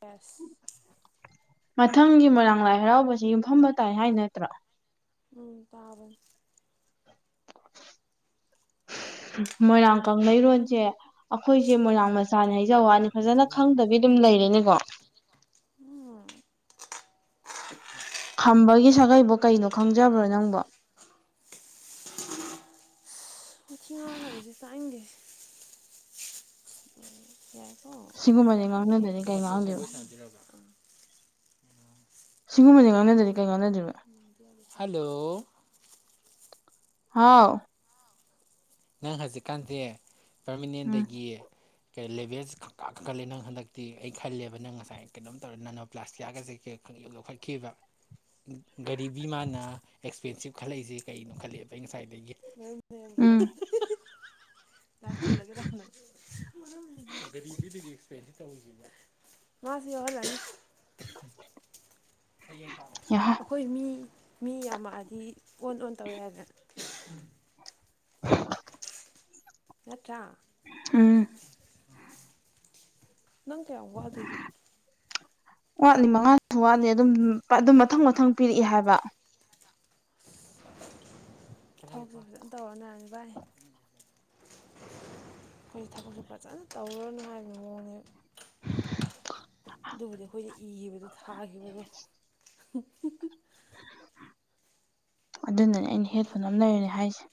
Bus ꯃꯊꯪꯒꯤ ꯃꯣꯏꯔꯥꯡ ꯂꯥꯏ ꯍꯔꯥꯎꯕꯁꯦ ꯌꯨꯝꯐꯝꯕ ꯇꯥꯏ ꯍꯥꯏ ꯅꯠꯇ꯭ꯔꯣ ꯎꯝ ꯇꯥꯕꯅꯤ ꯃꯣꯏꯔꯥꯡ ꯀꯪꯂꯩꯔꯣꯟꯁꯦ ꯑꯩꯈꯣꯏꯁꯦ ꯃꯣꯏꯔꯥꯡ ꯃꯆꯥꯅꯦ ꯍꯩꯖ ꯌꯥꯝ ꯋꯥꯅꯤ ꯀꯨꯏ ꯐꯖꯅ ꯆꯪꯉꯤ ꯍꯥꯏꯕ ꯁꯤꯗ ꯈꯪꯗꯕꯤꯗꯨꯝ ꯂꯩꯔꯦꯅꯦꯀꯣ ꯎꯝ ꯈꯝꯕꯒꯤ ꯁꯥꯒꯩꯕꯨꯣ ꯀꯩꯅꯣ ꯈꯪꯖꯕ꯭ꯔꯣ ꯅꯪꯕꯣ ꯋꯥꯊꯤ ꯉꯥꯡꯒꯅꯨꯁꯦ ꯇꯥꯅꯤꯡꯗꯦ ꯌꯥꯔꯦꯀꯣ ꯁꯤꯒꯨꯝꯕꯁꯦ ꯑꯣꯀꯦ ꯉꯥꯡꯅꯗꯗꯤ ꯑꯗꯨꯝ ꯀꯩ ꯑꯁꯦꯡ ꯑꯁꯦꯡ ꯉꯥꯡꯗꯣꯏꯕ ꯋꯥꯔꯤ ꯁꯥꯥꯟꯅꯁꯤꯔꯕ ꯁꯤꯒꯨꯝꯕꯁꯦ ꯉꯥꯡꯅꯗꯗꯤ ꯀꯩ ꯉꯥꯡꯅꯗꯣꯏꯕ [inaudible] ꯍꯜꯂꯣ ꯍꯥꯎ ꯅꯪ ꯍꯧꯖꯤꯛꯀꯥꯟꯁꯦ ꯎꯝ ꯄꯔꯃꯤꯅꯦꯟꯗꯒꯤ ꯀꯩ ꯂꯦꯚꯦꯜꯁꯦ ꯈꯪꯀꯥ ꯀꯥꯈꯠꯂꯦ ꯅꯪ ꯍꯟꯗꯛꯇꯤ ꯑꯩ ꯈꯜꯂꯦꯕ ꯅꯪ ꯉꯁꯥꯏ ꯀꯩꯅꯣꯝ ꯇꯧꯔꯦ ꯅꯅꯣ ꯄ꯭ꯂꯥꯁꯇꯤꯌꯥꯒꯁꯦ ꯂꯧꯈꯠꯈꯤꯕ ꯒꯥꯔꯤꯕꯤ ꯃꯥꯅ ꯑꯦꯛꯁꯄꯦꯟꯁꯤꯞ ꯈꯜꯂꯛꯏꯁꯦ ꯀꯩꯅꯣ ꯈꯜꯂꯛꯑꯦꯕ ꯑꯩ ꯉꯁꯥꯏꯗꯒꯤ ꯎꯝ [unintelligible] ꯂꯥꯎ ꯊꯤꯜꯂꯒꯦ ꯂꯥꯎ ꯅꯪ ꯒꯔꯤꯕꯤꯗꯥꯒꯤ ꯑꯦꯛꯁꯄꯦꯟꯁ ꯃꯥꯁꯤ ꯌꯥꯎꯍꯜꯂꯅꯨ ꯌꯥꯍꯥ ꯑꯩꯈꯣꯏ ꯃꯤ ꯃꯤ ꯌꯥꯝꯃꯛꯑꯗꯤ ꯑꯣꯟ ꯑꯣꯟ ꯇꯧꯋꯦ ꯍꯥꯏꯅꯦ [unintelligible] ꯅꯠꯇ꯭ꯔ ꯎꯝ ꯅꯪ ꯀꯌꯥꯝ ꯋꯥꯠꯂꯤꯒꯦ ꯋꯥꯠꯂꯤ ꯃꯉꯥꯁꯨ ꯋꯥꯠꯂꯤ ꯑꯗꯨꯝ ꯑꯗꯨꯝ ꯃꯊꯪ ꯃꯊꯪ ꯄꯤꯔꯛꯏ ꯍꯥꯏꯕ ꯊꯕꯛꯄꯨ ꯐꯖꯅ ꯇꯧꯔ [unintelligible] [unintelligible] ꯈꯣꯏꯁꯨ ꯊꯕꯛꯁꯨ ꯐꯖꯅ ꯇꯧꯔꯅꯨ ꯍꯥꯏꯕꯒꯤ ꯃꯑꯣꯡꯅꯦ ꯑꯗꯨꯕꯨꯗꯤ ꯑꯩꯈꯣꯏꯗ ꯏꯒꯤꯕꯗꯣ ꯊꯥꯈꯤꯕꯗꯣ [unintelligible] ꯑꯗꯨꯅꯅꯦ ꯑꯩꯅ ꯍꯦꯠ ꯐꯣꯟ ꯑꯃ ꯂꯩꯔꯅꯦ ꯍꯥꯏꯁꯦ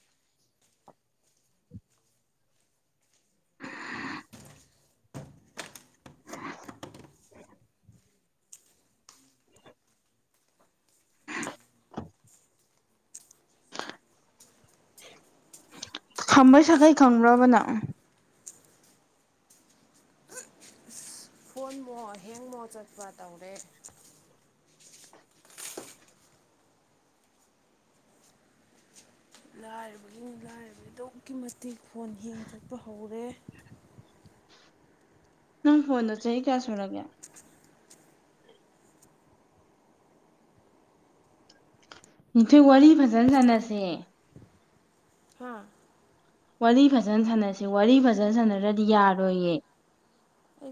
ꯈꯝꯕꯩ ꯁꯥꯒꯩ ꯈꯪꯕꯔꯕ ꯅꯪ ꯀꯣꯟꯃꯣ ꯍꯦꯡꯃꯣ ꯆꯠꯄ ꯇꯧꯔꯦ ꯂꯥꯏꯔꯕꯒꯤꯅꯤ ꯂꯥꯏꯔꯕꯗꯤ ꯑꯗꯨꯛꯀꯤ ꯃꯇꯤꯛ ꯐꯣꯟ ꯍꯦꯡ ꯆꯠꯄ ꯍꯧꯔꯦ ꯅꯪ ꯐꯣꯟꯗꯣ ꯆꯍꯤ ꯀꯌꯥ ꯁꯨꯔꯒꯦ ꯅꯤꯡꯊꯣꯏ ꯋꯥꯔꯤ ꯐꯖꯟ ꯁꯥꯟꯅꯁꯦ ꯍꯥ ꯋꯥꯔꯤ ꯐꯖꯅ ꯁꯥꯟꯅꯁꯤ ꯋꯥꯔꯤ ꯐꯖꯅ ꯁꯥꯟꯅꯔꯗꯤ ꯌꯥꯔꯣꯏꯌꯦ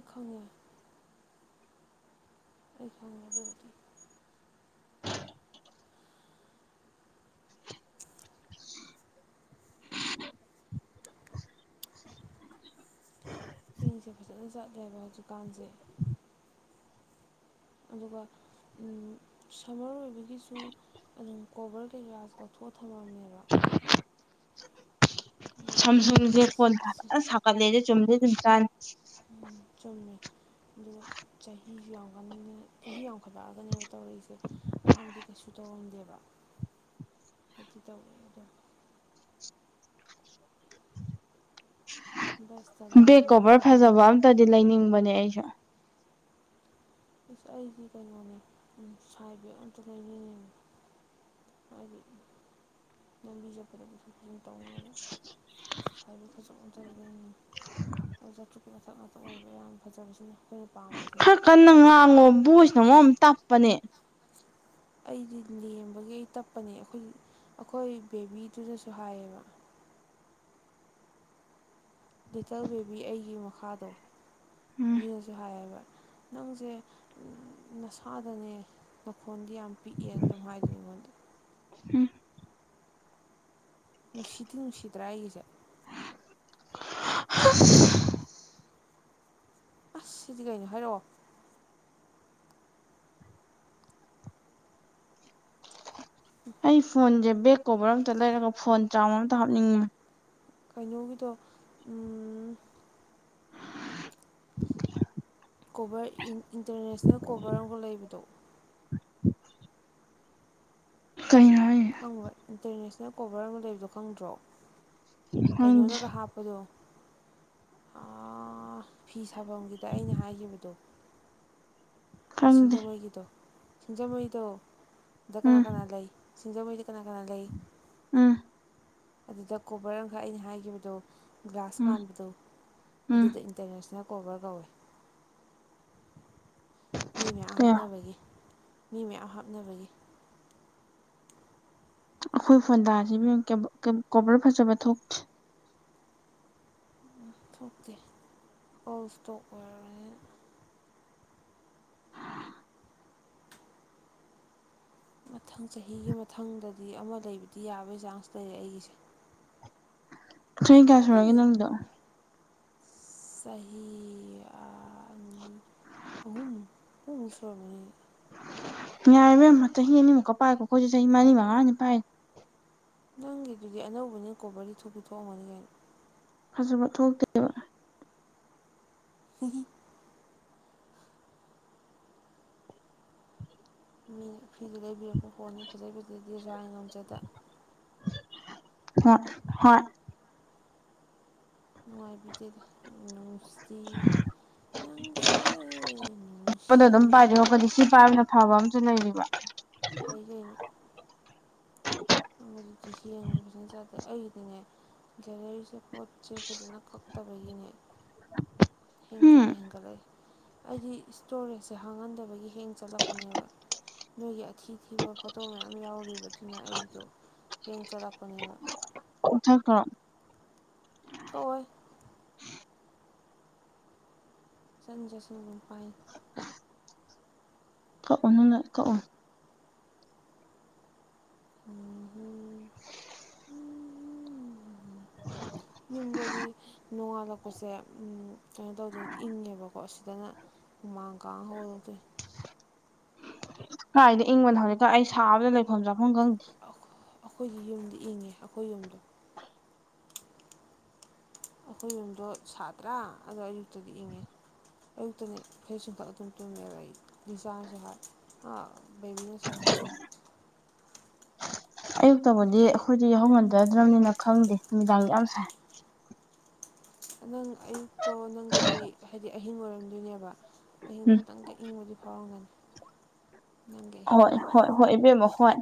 ꯈꯪꯉꯦ ꯑꯩ ꯈꯪꯉꯦ ꯑꯗꯨꯕꯨꯗꯤ ꯆꯦꯡꯁꯦ ꯐꯖꯅ ꯆꯠꯂꯦꯕ ꯗꯨꯀꯥꯟꯁꯦ ꯑꯗꯨꯒ ꯁꯝꯃꯔ ꯑꯣꯏꯕꯒꯤꯁꯨ ꯑꯗꯨꯝ ꯀꯣꯕꯔ ꯀꯩꯀꯥ ꯂꯧꯊꯣꯛ ꯄꯊ ꯑꯃꯅꯦꯕ [unintelligible] ꯑꯗꯨꯒ ꯁꯝ ꯁꯨꯝꯁꯦ ꯐꯣꯟ ꯁꯥꯒꯠꯂꯦꯗꯦ ꯆꯨꯝꯗꯦ ꯑꯗꯨꯝ ꯆꯥꯅꯤ ꯎꯝ ꯆꯨꯝꯃꯤ ꯑꯗꯨꯒ ꯆꯍꯤ ꯌꯥꯎ ꯆꯍꯤ ꯌꯥꯝꯈꯠꯂꯛꯑꯒꯅꯦꯕ ꯇꯧꯔꯛꯏꯁꯦ ꯑꯍꯥꯡꯥꯟꯕꯕꯨꯗꯤ ꯀꯩꯁꯨ ꯇꯧꯔꯝꯗꯦꯕ ꯍꯥꯏꯗꯤ ꯇꯧꯋꯦ ꯑꯗꯣ ꯕꯁꯇꯒ ꯕꯦꯛ ꯅꯣꯡꯃꯗꯣ ꯀꯣꯕꯔ ꯐꯖꯕ ꯍꯪꯉꯤ ꯑꯝꯇꯗꯤ ꯂꯩꯅꯤꯡꯕꯅꯦ ꯑꯩꯁꯨ ꯏꯁꯁ ꯑꯩꯗꯤ ꯀꯩꯅꯣꯅꯦ ꯁꯥꯏꯕꯦꯛ ꯑꯝꯇ ꯂꯩꯅꯤꯡꯉꯕ ꯍꯥꯏꯗꯤ ꯂꯝꯕꯤꯖꯠꯄꯗꯕꯨꯁꯨꯨꯝ ꯐꯖꯅ ꯇꯧꯅꯕꯒ ꯁꯥꯏꯗ ꯈꯖꯛꯅ ꯆ ꯑꯗꯨ ꯆꯇ꯭ꯔꯨꯀꯤ ꯃꯊꯛ ꯃꯊꯛ ꯑꯣꯏꯕ ꯌꯥꯝ ꯐꯖꯕꯁꯤꯅ ꯑꯩꯈꯣꯏꯅ ꯄꯥꯝꯕꯁꯦ ꯈꯔ ꯀꯟꯅ ꯉꯥꯡꯉꯣ ꯚꯣꯏꯁꯅ ꯑꯃ ꯇꯞꯄꯅꯦ ꯑꯩꯗꯤ ꯂꯦꯝꯕꯒꯤ ꯑꯩ ꯇꯞꯄꯅꯦ ꯑꯩꯈꯣꯏ ꯑꯩꯈꯣꯏ ꯕꯦꯕꯤꯗꯨꯗꯁꯨ ꯍꯥꯏꯌꯦꯕ [unintelligible] ꯂꯤꯇꯜ ꯕꯦꯕꯤ ꯑꯩꯒꯤ ꯃꯈꯥꯗꯣ ꯎꯝ ꯑꯗꯨꯅꯁꯨ ꯍꯥꯏꯌꯦꯕ ꯅꯪꯁꯦ ꯅꯁꯥꯗꯅꯦ ꯂꯧꯈꯣꯟꯗꯤ ꯌꯥꯝ ꯄꯤꯛꯑꯦꯅ ꯑꯗꯨꯝ ꯍꯥꯏꯗꯅꯤ ꯑꯩꯉꯣꯟꯗ ꯎꯝ ꯅꯨꯡꯁꯤꯗꯤꯤ ꯅꯨꯡꯁꯤꯗ꯭ꯔꯥ ꯑꯩꯒꯤꯁꯦ ꯍꯁ ꯑꯁ ꯁꯤꯗꯤ ꯀꯩꯅꯣ ꯍꯥꯏꯔꯛꯑꯣ ꯑꯩ ꯐꯣꯟꯁꯦ ꯕꯦꯛ ꯀꯣꯕꯔ ꯑꯃꯝꯇ ꯂꯩꯔꯒ ꯐꯣꯟ ꯆꯥꯝꯃ ꯑꯝꯇ ꯍꯥꯞꯅꯤꯡꯉꯤꯦ ꯀꯩꯅꯣꯒꯤꯗ ꯀꯣꯚꯔ ꯏꯟꯇꯔꯅꯦꯁꯅꯦꯜ ꯀꯣꯕꯔ ꯑꯃꯒ ꯂꯩꯕꯗꯣ ꯀꯩꯅꯣ ꯍꯥꯏꯁꯦ ꯈꯪꯕ꯭ꯔ ꯏꯟꯇꯔꯅꯦꯁꯅꯦꯜ ꯀꯣꯚꯔ ꯑꯃ ꯂꯩꯕꯗꯣ ꯈꯪꯗ꯭ꯔꯣ ꯈꯪꯗꯦ ꯀꯩꯅꯣꯅꯒ ꯍꯥꯞꯄꯗꯣ [unintelligible] ꯐꯤ ꯁꯥꯐꯝꯒꯤꯗ ꯑꯩꯅ ꯍꯥꯏꯈꯤꯕꯗꯣ ꯈꯪꯗꯦ ꯁꯤꯡꯖꯃꯩꯒꯤꯗꯣ ꯁꯤꯡꯖꯃꯩꯗꯣꯗ ꯀꯅꯥ ꯎꯝ ꯀꯅꯥ ꯂꯩ ꯁꯤꯡꯖꯃꯩ ꯀꯅꯥ ꯀꯅꯥ ꯂꯩ ꯎꯝ ꯑꯗꯨꯗ ꯀꯣꯕꯔ ꯑꯃꯈꯛ ꯑꯩꯅ ꯍꯥꯏꯈꯤꯕꯗꯣ ꯒ꯭ꯂꯥꯁ ꯎꯝ ꯃꯥꯟꯕꯗꯣ ꯎꯝ ꯑꯗꯨꯗ ꯏꯟꯇꯔꯅꯦꯁꯅꯦꯜ ꯀꯣꯚꯔ ꯀꯧꯋꯦ ꯃꯤ ꯃꯌꯥꯝ ꯑꯦ ꯍꯥꯞꯅꯕꯒꯤ ꯃꯤ ꯃꯌꯥꯝ ꯍꯥꯞꯅꯕꯒꯤ ꯑꯩꯈꯣꯏ ꯐꯣꯟꯗꯥꯁꯤ ꯀꯣꯕꯔ ꯐꯖꯕ ꯊꯣꯛꯇꯦ ꯊꯣꯛꯣꯛꯇꯦ ꯄꯥꯎ ꯏꯁꯇꯣꯛ ꯑꯣꯏꯔꯅꯦ ꯑ ꯃꯊꯪ ꯆꯍꯤꯒꯤ ꯃꯊꯪꯗꯗꯤ ꯑꯃ ꯂꯩꯕꯗꯤ ꯌꯥꯕꯒꯤ ꯆꯥꯟꯁ ꯂꯩꯔ ꯑꯩꯒꯤꯁꯦ ꯆꯍꯤꯣꯏ ꯀꯌꯥ ꯁꯨꯔꯒꯦ ꯅꯪꯒꯤ ꯅꯪꯗꯣ ꯆꯍꯤ ꯑ [unintelligible] ꯁ ꯃ [unintelligible] ꯌꯥꯔꯤꯕꯩ ꯑꯃ ꯆꯍꯤ ꯑꯅꯤꯃꯨꯛꯀ ꯄꯥꯏꯀꯣ ꯑꯩꯈꯣꯏꯁꯨ ꯆꯍꯤ ꯃꯔꯤ ꯃꯉꯥꯅꯤ ꯄꯥꯏ ꯅꯪꯒꯤꯗꯨꯗꯤ ꯑꯅꯧꯕꯅꯤ ꯀꯣꯕꯔꯗꯤ ꯊꯨꯕꯤ ꯊꯣꯛꯣꯛꯑꯝꯃꯅꯤ ꯀꯅ ꯐꯖꯕ ꯊꯣꯛꯇꯦꯕ ꯍ ꯃꯤꯅ ꯐꯤꯗꯨ ꯂꯩꯕꯤꯔꯛꯄ ꯐꯣꯟꯅꯤ ꯐꯖꯩ ꯐꯖꯗꯤꯁꯨ ꯍꯥꯏ ꯉꯝꯖꯗ ꯍꯣꯏ ꯍꯣꯏ ꯃꯅꯨꯡꯉꯥꯏꯕꯤꯗꯦꯜ ꯃꯁꯇꯤ ꯅꯪꯁꯦ ꯑꯇꯣꯄꯗꯣ ꯅꯨꯡꯁꯤ ꯑꯗꯨꯝ ꯄꯥꯏꯗꯤ ꯈꯣꯠꯄꯗꯤ ꯁꯤ ꯄꯥꯏꯕꯅ ꯐꯕ ꯑꯝꯨ ꯂꯩꯔꯤꯕ ꯀꯩꯒꯤ ꯑꯗꯨꯗꯤ ꯍꯡꯉꯕꯁꯨꯅ ꯆꯥꯗꯦ ꯑꯩꯗꯤꯅꯦ ꯒꯦꯂꯔꯤꯁꯦ ꯄꯣꯠꯁꯦ ꯐꯖꯅ ꯀꯛꯇꯕꯒꯤꯅꯦ ꯍꯤꯡ ꯆ ꯀ ꯍꯨꯝ ꯍꯤꯡꯒ ꯂꯩꯦ ꯑꯩꯗꯤ ꯏꯁꯇꯣꯔꯦꯖꯁꯦ ꯍꯥꯡꯍꯟꯗꯕꯒꯤ ꯍꯦꯡ ꯆꯠꯂꯛꯄꯅꯦꯕ ꯅꯣꯏꯒꯤ ꯑꯊꯤꯊꯤꯕ ꯐꯣꯇꯣ ꯃꯌꯥꯝ ꯌꯥꯎꯔꯤꯕꯗꯨꯅ ꯑꯩ ꯗꯣ ꯍꯡ ꯆꯂꯛꯄꯅꯤꯕ ꯑꯣꯛꯊꯈꯣ ꯀꯛ ꯑꯣꯏ ꯆꯟꯖꯁꯟ ꯉꯄꯥꯏ ꯀꯛꯑꯣ ꯅꯪꯅ ꯀꯛꯑꯣ ꯎꯝ ꯍꯝ ꯌꯨꯝꯗꯗꯤ ꯅꯣꯡꯉꯥꯜꯂꯛꯄꯁꯦ ꯎꯝ ꯀꯩꯅꯣ ꯇꯧꯗꯅ ꯏꯪꯉꯦꯕꯀꯣ ꯁꯤꯗꯅ ꯎꯃ ꯀꯥꯡ ꯍꯧꯔꯗꯣꯏꯟ ꯀꯥꯏꯗ ꯏꯪꯕꯅ ꯍꯧꯖꯤꯛꯇ ꯑꯩ ꯁꯥꯕꯗ ꯂꯩꯐꯝ ꯆꯥꯐꯝ ꯈꯪꯗꯦ ꯑꯈꯣꯏꯒꯤ ꯌꯨꯝꯗꯤ ꯏꯪꯉꯦ ꯑꯈꯣꯏ ꯌꯨꯝꯗꯣ ꯑꯩꯈꯣꯏ ꯌꯨꯝꯗꯣ ꯁꯥꯠꯇ꯭ꯔꯥ ꯑꯗꯣ ꯑꯌꯨꯛꯇꯗꯤ ꯏꯪꯉꯦ ꯑꯌꯨꯛꯇꯅꯦ ꯐꯩꯖꯨꯞ ꯆꯤꯡꯈꯠꯂ ꯑꯗꯨꯝ ꯇꯨꯃꯦꯕꯥ ꯑꯩ ꯂꯤꯆꯥ ꯅꯁꯨ ꯍꯥꯏ ꯕꯦꯕꯤꯅꯁꯨ ꯍꯥꯏ [inaudible] ꯑꯌꯨꯛꯇꯕꯨꯗꯤ ꯑꯩꯈꯣꯏꯗꯤ ꯌꯥꯎꯍꯧꯃꯟꯗꯗ꯭ꯔꯝꯅꯤꯅ ꯈꯪꯗꯦ ꯅꯨꯃꯤꯗꯥꯡꯗꯤ ꯌꯥꯝ ꯁꯥꯏ ꯅꯪ ꯑꯌꯨꯛꯇꯣ ꯅꯪꯒꯤꯗꯤ ꯍꯥꯏꯗꯤ ꯑꯍꯤꯡ ꯑꯣꯏꯔꯝꯗꯣꯏꯅꯦꯕ ꯑꯍꯤꯡꯁꯦ ꯎꯝ ꯈꯤꯇꯪ ꯏꯪꯕꯗꯤ ꯐꯥꯎꯔꯝꯒꯅꯤ ꯅꯪꯒꯤ ꯑꯍꯤꯡ ꯍꯣꯏ ꯑꯣꯏꯅ ꯍꯣꯏ ꯍꯣꯏ ꯏꯕꯦꯝꯃꯣ ꯍꯣꯏ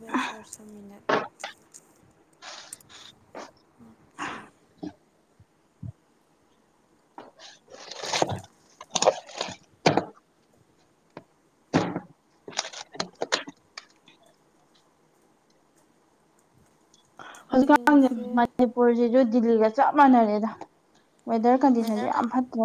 ꯋꯦꯠ ꯐꯣꯔ ꯁꯝ ꯃꯤꯅꯠ ꯑꯣꯈꯦ ꯍꯧꯖꯤꯛꯀꯥꯟꯁꯦ ꯍꯌꯦꯡꯁꯦ ꯃꯅꯤꯄꯨꯔꯁꯤꯁꯨ ꯗꯤꯜꯂꯤꯒ ꯆꯞ ꯃꯥꯟꯅꯔꯦꯗ ꯋꯦꯗꯔ ꯑꯁ ꯀꯟꯗꯤꯁꯟꯁꯨ ꯌꯥꯝ ꯐꯠꯇ꯭ꯔꯦ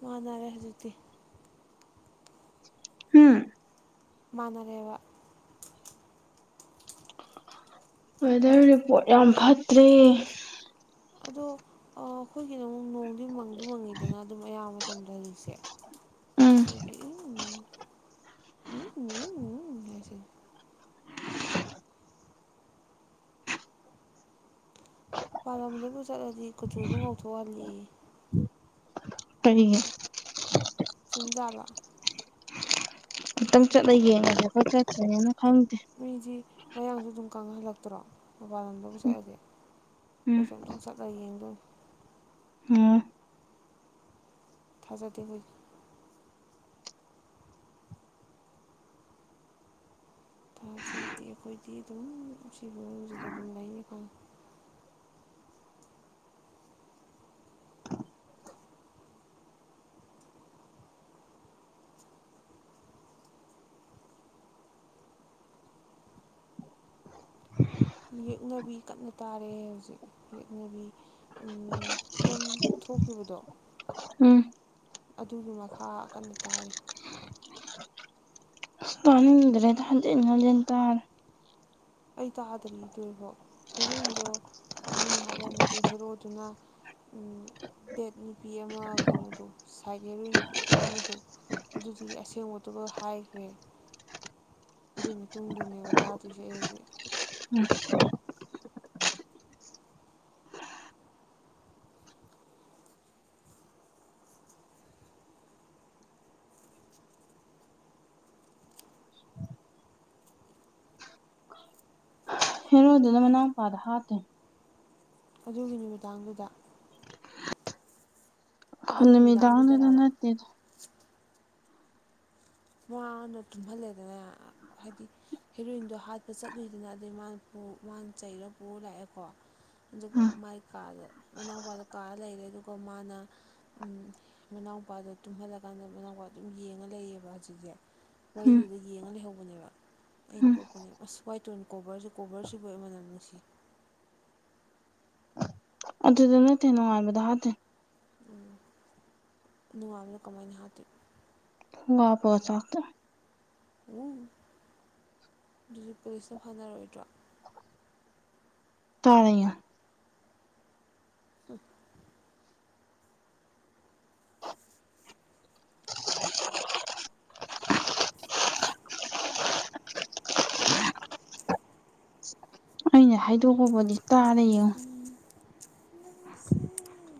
ꯃꯥꯟꯅꯔꯦ ꯍꯧꯖꯤꯛꯇꯤ ꯍꯨꯝ ꯃꯥꯅꯔꯦꯕ ꯋꯦꯗꯔ ꯔꯤꯄꯣꯠ ꯌꯥꯝ ꯐꯠꯇ꯭ꯔꯦ ꯑꯣ ꯑꯩꯈꯣꯏꯒꯤꯅ ꯑꯃꯨꯛ ꯅꯣꯡꯗꯤ ꯃꯪꯗꯤ ꯃꯪꯉꯤꯗꯅ ꯑꯗꯨꯝ ꯑꯌꯥꯝꯕ ꯃꯇꯝꯗ ꯍꯔꯤꯁꯦ ꯍꯧ ꯎꯝ ꯎꯝ ꯎꯝ ꯎꯝ ꯎꯝ ꯍꯥꯏꯁꯤꯟ ꯄꯥꯟꯂꯝꯗꯕꯨ ꯆꯠꯂꯗꯤ ꯀꯨꯆꯨꯗꯨ ꯉꯧꯊꯣꯛꯑ ꯍꯜꯂꯛꯑꯦꯌꯦ ꯑꯩ ꯆꯨꯝꯖꯥꯠꯂꯥ ꯑꯝꯇꯪ ꯆꯠꯂ ꯌꯦꯡꯉꯒꯦ ꯈꯣꯏ ꯆꯠꯇꯔꯤꯝꯅꯤꯅ ꯈꯪꯗꯦ ꯃꯤꯗꯤ ꯃꯌꯥꯡꯁꯨ ꯑꯗꯨꯝ ꯀꯪꯍꯜꯂꯛꯇ꯭ꯔꯣ ꯃꯣꯕꯥꯏꯜ ꯅꯝꯕꯔꯕꯨ ꯆꯠꯂꯗꯤ ꯎꯝ ꯀꯈꯣꯏꯁꯨ ꯑꯨꯇꯪ ꯆꯠꯂꯒ ꯌꯦꯡꯗꯣꯏ ꯍꯨꯝ ꯊꯖꯗꯤꯗꯦ ꯈꯣꯏꯗꯤ ꯊꯥꯖꯗꯤ ꯑꯩꯈꯣꯏꯗꯤ ꯑꯗꯨꯝ ꯁꯤꯕꯁꯤꯗ ꯑꯗꯨꯝ ꯂꯩꯅꯤꯀꯣ ꯌꯦꯛꯅꯕꯤ ꯀꯅ ꯇꯥꯔꯦ ꯑꯩ ꯍꯧꯖꯤꯛ ꯌꯦꯛꯅꯕꯤ ꯐꯤꯂꯝ ꯊꯣ ꯊꯣꯛꯈꯤꯕꯗꯣ ꯎꯝ ꯑꯗꯨꯒꯤ ꯃꯈꯥ ꯀꯟꯅ ꯇꯥꯔꯤ ꯏꯁꯇꯅꯤꯡꯗꯔ꯭ꯦꯗ ꯍꯟꯖꯤꯟ ꯍꯟꯖꯤꯟ ꯇꯥꯔꯦ ꯑꯩ ꯇꯥꯗꯔꯤ ꯂꯣꯏꯐꯥꯎ ꯍꯦꯔꯣꯏꯟꯗꯣ ꯃꯤ ꯍꯥꯠꯂꯝꯃꯤ ꯑꯗꯣ ꯍꯦꯔꯣꯗꯨꯅ ꯎꯝ ꯕꯦꯠ ꯅꯨꯄꯤ ꯑꯃ ꯀꯩꯅꯣꯗꯣ ꯁꯥꯏꯠ ꯍꯦꯔꯣꯏꯟ ꯑꯃꯗꯣ ꯑꯗꯨꯗꯨꯒꯤ ꯑꯁꯦꯡꯕꯇꯣ ꯍꯥꯏ ꯈꯔ꯭ꯦ [inaudible] ꯑꯗꯨꯅꯦ ꯇꯨꯡꯗꯨꯅꯦꯕ ꯇꯥꯗꯣꯏꯁꯦ ꯑꯩꯁꯦ ꯍꯧꯖꯤꯛ ꯃꯣꯗꯅꯥ ꯃꯅꯥꯎꯄꯥꯗꯣ ꯍꯥꯞꯇꯦ ꯑꯗꯨꯒꯤ ꯅꯨꯃꯤꯗꯥꯡꯗꯨꯗ ꯑꯗꯨꯒꯤ ꯍꯃꯤꯗꯥꯎꯗꯗ ꯅꯨꯃꯤꯗꯥꯡꯗꯨꯗꯔꯕ ꯅꯠꯇꯦꯔ ꯃꯥꯅ ꯇꯨꯝꯍꯜꯂꯦꯗꯅ ꯍꯥꯏꯗꯤ ꯍꯦꯔꯣꯏꯟꯗꯣ ꯍꯥꯠꯄ ꯆꯠꯂꯨꯏꯗꯅ ꯑꯗꯨꯗꯩ ꯃꯥꯅ ꯋꯥꯟ ꯆꯩꯔ ꯄꯨ ꯂꯥꯛꯑꯦꯀꯣ ꯑꯗꯨꯒ ꯎꯝ ꯃꯥꯏ ꯀꯥꯗ ꯃꯅꯥꯎꯄꯥꯗ ꯀꯥꯔ ꯂꯩꯔꯦ ꯑꯗꯨꯒ ꯀꯣ ꯃꯥꯅ ꯃꯅꯥꯎꯄꯥꯗꯣ ꯇꯨꯝꯍꯜꯂꯀꯥꯟꯗ ꯃꯅꯥꯎꯄꯥ ꯑꯗꯨꯝ ꯌꯦꯡꯉ ꯂꯩꯌꯦꯕ ꯑꯣ ꯁꯤꯁꯦ ꯎꯝ ꯋꯥꯔꯤꯗꯨꯗ ꯌꯦꯡꯉ ꯂꯩꯍꯧꯕꯅꯦꯕ ꯑꯩꯅ ꯎꯝ ꯇꯣꯛꯄꯅꯦꯕ ꯑꯁ ꯋꯥꯏ ꯇꯣꯏ ꯀꯣꯕꯔꯁ ꯀꯣꯕꯔꯁꯤꯕꯨ ꯑꯩꯟꯅ ꯅꯨꯡꯁꯤ ꯑꯇꯩ ꯅꯅꯅꯨꯡꯉ ꯍꯥꯦ ꯅꯨꯡꯉꯕꯅ ꯀꯃꯥꯏꯅ ꯍꯥꯏꯗꯤ ꯋꯥꯄ ꯆꯥꯛ ꯎꯝ ꯑꯗꯨ ꯄꯁ ꯐꯥꯟꯅꯔꯣꯏ ꯗꯔꯣ꯫ ꯇꯥꯔ ꯑ ꯑꯩꯅ ꯍꯥꯏꯗꯣꯛꯕꯗꯤ ꯎꯝ [inaudible]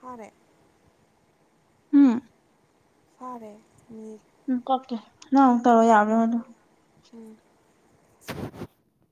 ꯐꯔꯦ ꯎꯝ ꯐꯔꯦ ꯃꯤ ꯎ ꯀꯀ ꯅꯨ ꯇꯔꯣ ꯌꯥꯕꯔꯥ ꯌꯦꯡꯃꯣ ꯎꯝ